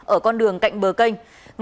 ở con đường cạnh bờ canh